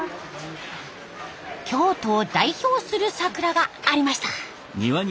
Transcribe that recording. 京都を代表する桜がありました。